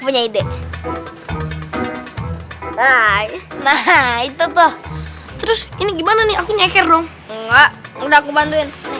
punya ide nah itu tuh terus ini gimana nih aku nyeker dong enggak udah aku bantuin